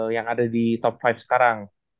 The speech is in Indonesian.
yang ada di top lima sekarang